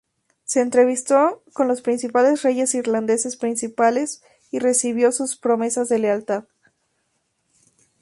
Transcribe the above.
Se entrevistó con los principales reyes irlandeses principales y recibió sus promesas de lealtad.